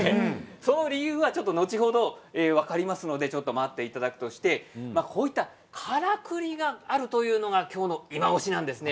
その理由は後ほど分かりますので待っていただくとしてこういった、からくりがあるというのが今日のいまオシなんですね。